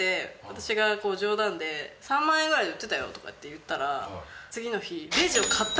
私が冗談で３万円ぐらいで売ってたよとかって言ったら次の日。